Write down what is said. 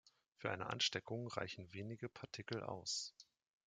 Für eine Ansteckung reichen wenige Partikel aus.